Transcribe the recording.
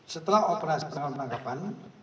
setelah operasi penanganan penangkapan